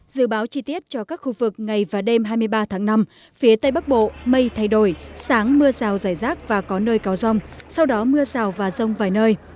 dự báo chi tiết cho các khu vực ngày và đêm hai mươi ba tháng năm phía tây bắc bộ mây thay đổi sáng mưa rào rải rác và có nơi có rông sau đó mưa rào và rông vài nơi